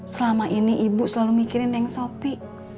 selama ini ibu selalu mikirin yang sopi